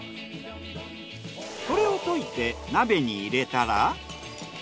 これを溶いて鍋に入れたら。